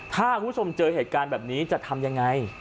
ถ้าคุณผู้ชมเจอเหตุการณ์แบบนี้จะทำยังไง